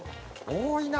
多いな。